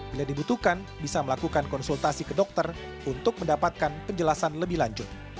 bila dibutuhkan bisa melakukan konsultasi ke dokter untuk mendapatkan penjelasan lebih lanjut